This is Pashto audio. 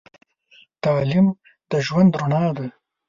تعليم د ژوند رڼا ده.